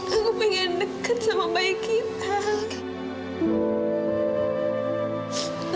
aku pengen deket sama bayi kita